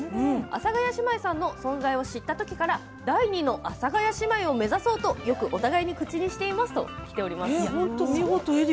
阿佐ヶ谷姉妹さんの存在を知ったときから第二の阿佐ヶ谷姉妹を目指そうとよくお互いに口にしています。